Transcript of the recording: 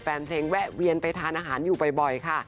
แฟนเพลงแวะเวียนไปทานอาหารอยู่บ่อยค่ะ